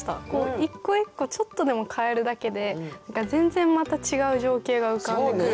一個一個ちょっとでも変えるだけで全然また違う情景が浮かんでくるから面白いなと。